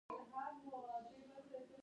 مایع ټاکلی حجم لري خو شکل یې بدلوي.